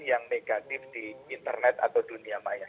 yang negatif di internet atau dunia maya